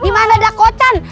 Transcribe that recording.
dimana ada kocan